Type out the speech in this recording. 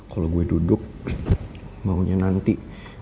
kalau gue duduk maunya nanti